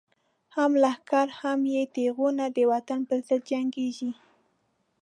هم لښکر هم یی تیغونه، د وطن پر ضد جنگیږی